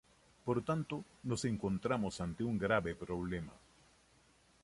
Por tanto, nos encontramos ante un grave problema.